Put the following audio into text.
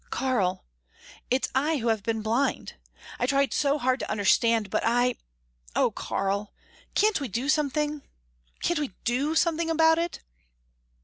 "Karl it's I who have been blind! I tried so hard to understand but I oh, Karl can't we do something? Can't we do something about it?"